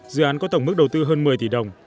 dự án có tổng mức đầu tư hơn một mươi tỷ đồng